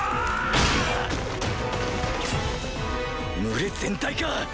群れ全体か！